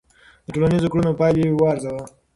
د ټولنیزو کړنو پایلې وارزوه.